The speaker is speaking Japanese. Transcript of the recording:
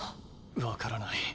分からない。